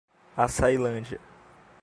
Açailândia